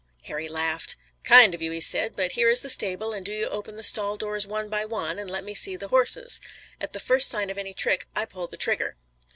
Harry laughed. "Kind of you," he said, "but here is the stable and do you open the stall doors one by one, and let me see the horses. At the first sign of any trick I pull the trigger."